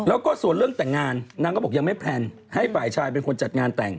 แล้วก็ส่วนเรื่องแต่งงานนางก็บอกยังไม่แพลนให้ฝ่ายชายเป็นคนจัดงานแต่ง